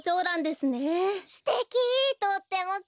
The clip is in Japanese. すてき！